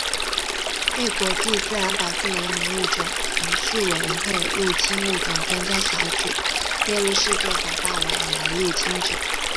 被国际自然保护联盟物种存续委员会的入侵物种专家小组列入世界百大外来入侵种。